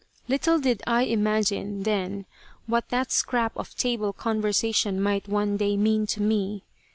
Little did I imagine then what that scrap of table conversation might one day mean to me.